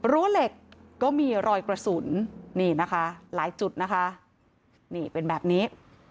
เหล็กก็มีรอยกระสุนนี่นะคะหลายจุดนะคะนี่เป็นแบบนี้